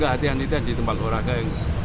kehatian itu yang di tempat olahraga yang